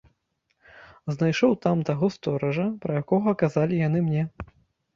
Знайшоў там таго стоража, пра якога казалі яны мне.